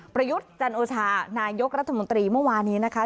ประยุทธ์จันโอชานายกรัฐมนตรีเมื่อวานี้นะคะ